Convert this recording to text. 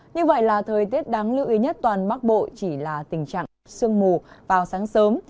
như vậy là thời tiết đáng lưu ý nhất toàn bắc bộ chỉ là tình trạng sương mù vào sáng sớm